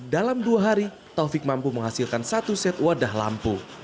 dalam dua hari taufik mampu menghasilkan satu set wadah lampu